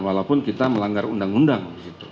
walaupun kita melanggar undang undang